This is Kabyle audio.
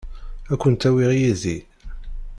Ad kent-awiɣ yid-i.